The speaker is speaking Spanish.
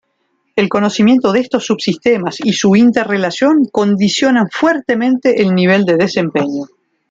El conocimiento de estos subsistemas y su interrelación condicionan fuertemente el nivel de desempeño.